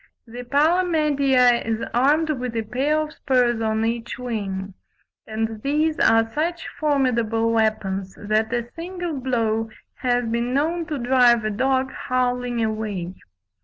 The Palamedea (Fig. 38) is armed with a pair of spurs on each wing; and these are such formidable weapons that a single blow has been known to drive a dog howling away.